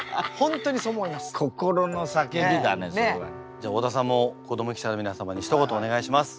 じゃ太田さんも子ども記者の皆様にひと言お願いします！